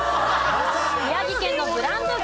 宮城県のブランド牛。